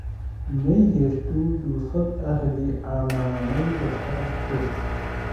نەیهێشت و دووسەد ئەهلی عەمامەی لە سەرم کرد